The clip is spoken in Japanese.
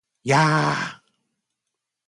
やー！！！